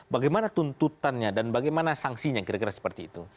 bagaimana tuntutannya dan bagaimana sanksinya kira kira seperti itu